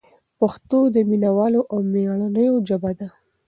پښتو د مینه والو او مېړنیو ژبه ده.